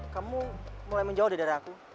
kamu mulai menjauh dari darah aku